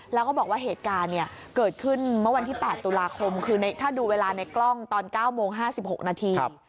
แล้วก็บอกว่าเหตุการณ์เกิดขึ้นเมื่อวันที่๘ตุลาคมคือถ้าดูเวลาในกล้องตอน๙โมง๕๖นาที